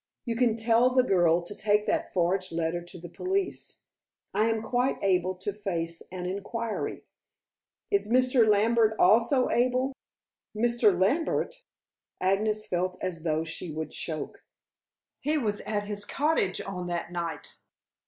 "You can tell the girl to take that forged letter to the police. I am quite able to face any inquiry." "Is Mr. Lambert also able?" "Mr. Lambert?" Agnes felt as though she would choke. "He was at his cottage on that night."